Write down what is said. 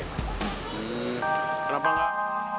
hmm kenapa gak